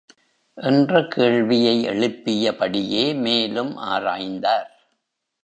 என்ற கேள்வியை எழுப்பியபடியே மேலும் ஆராய்ந்தார்.